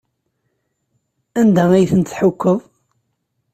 Anda ay ten-tḥukkeḍ?